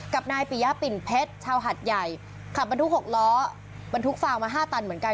กับนายปิยะปิ่นเพชรชาวหัดใหญ่ขับบรรทุก๖ล้อบรรทุกฟางมา๕ตันเหมือนกัน